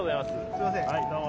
すみませんどうも。